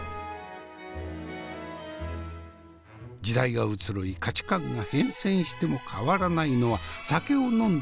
時代が移ろい価値観が変遷しても変わらないのは酒を呑んだ